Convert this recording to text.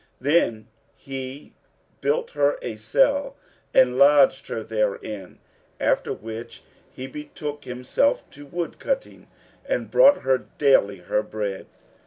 Then he built her a cell and lodged her therein; after which he betook himself to woodcutting and brought her daily her bread.